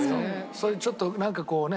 そういうちょっとなんかこうね